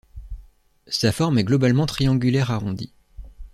Sa forme est globalement triangulaire arrondie.